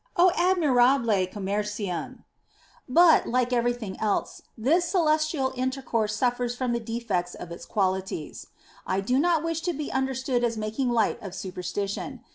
admirabile commercium ! But, like everything else, this celestial intercourse suffers from the defects of its qualities. I do not wish to be understood as making light of super stition.